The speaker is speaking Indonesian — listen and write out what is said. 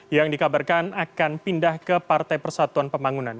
yang dikabarkan akan pindah ke partai persatuan pembangunan